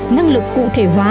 năng lực cụ thể hóa